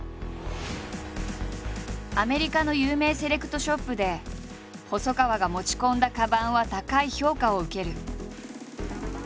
アメリカの有名セレクトショップで細川が持ち込んだかばんは高い評価を受ける。